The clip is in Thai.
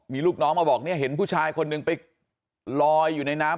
มีลูกน้องมาบอกเนี่ยเห็นผู้ชายคนหนึ่งไปลอยอยู่ในน้ำ